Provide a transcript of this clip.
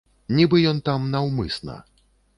Нібы ён там наўмысна.